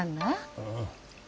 うん。